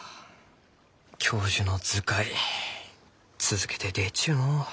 教授の「図解」続けて出ちゅうのう。